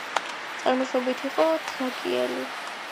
წარმოშობით იყო თრაკიელი.